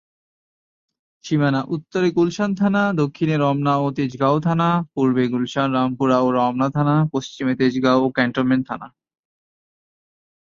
সীমানা: উত্তরে গুলশান থানা, দক্ষিণে রমনা ও তেজগাঁও থানা, পূর্বে গুলশান, রামপুরা ও রমনা থানা, পশ্চিমে তেজগাঁও ও ক্যান্টনমেন্ট থানা।